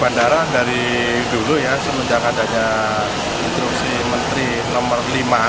bandara dari dulu ya semenjak adanya instruksi menteri nomor lima